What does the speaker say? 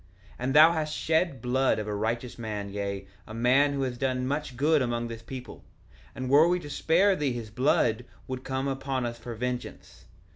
1:13 And thou hast shed the blood of a righteous man, yea, a man who has done much good among this people; and were we to spare thee his blood would come upon us for vengeance.